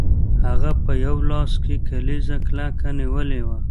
هغه په یو لاس کې کلیزه کلکه نیولې وه